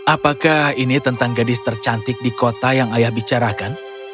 apakah ini tentang gadis tercantik di kota yang ayah bicarakan